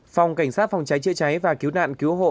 phòng cảnh sát phòng cháy chữa cháy và cứu nạn cứu hộ